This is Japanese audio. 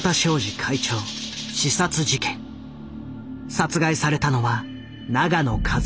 殺害されたのは永野一男会長。